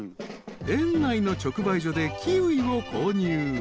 ［園内の直売所でキウイを購入］